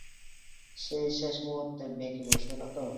সে শেষ মুহূর্তে বেঁকে বসবে না তো?